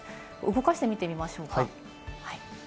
動かしてみてみましょうか。